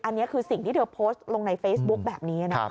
อันนี้คือสิ่งที่เธอโพสต์ลงในเฟซบุ๊คแบบนี้นะครับ